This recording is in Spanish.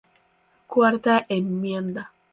Cuarta enmienda.